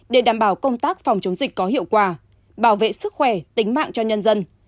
để đảm bảo công tác phòng chống dịch có hiệu quả bảo vệ sức khỏe tính mạng cho nhân dân